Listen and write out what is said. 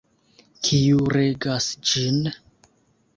Kiu regas ĝin?